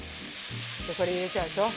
これ入れちゃうでしょ。